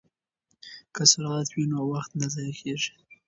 که سرعت وي نو وخت نه ضایع کیږي.